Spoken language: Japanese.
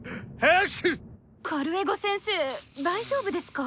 ・カルエゴ先生大丈夫ですか？